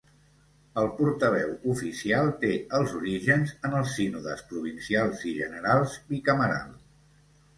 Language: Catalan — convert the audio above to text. El portaveu oficial té els orígens en el sínodes provincials i generals bicameral.